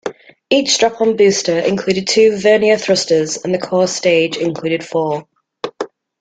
Each strap-on booster included two vernier thrusters and the core stage included four.